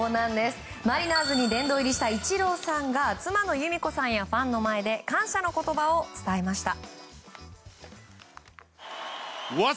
マリナーズに殿堂入りしたイチローさんが妻の弓子さんやファンの前で感謝の言葉を伝えました。